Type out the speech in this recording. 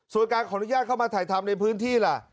ส่วนการขออนุญาตเข้ามาถ่ายทำในพื้นที่ล่ะ